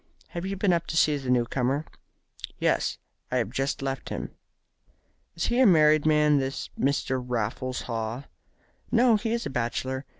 Have you been up to see the new comer?" "Yes; I have just left him." "Is he a married man this Mr. Raffles Haw?" "No, he is a bachelor.